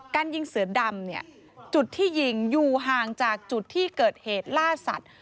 การยิงเสือดำเนี่ยจุดที่ยิงอยู่ห่างจากจุดที่เกิดเหตุล่าสัตว์